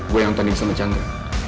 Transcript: gue yang tanding sama chandra